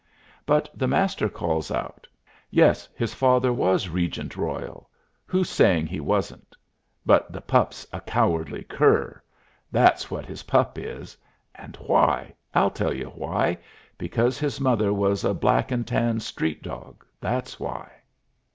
But the Master calls out: "Yes, his father was Regent Royal; who's saying he wasn't? but the pup's a cowardly cur, that's what his pup is. And why? I'll tell you why: because his mother was a black and tan street dog, that's why!"